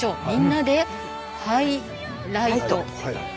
「みんなでハイライト」。